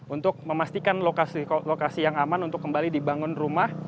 untuk memastikan lokasi yang aman untuk kembali dibangun rumah